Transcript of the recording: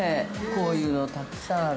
こういうのたくさんある。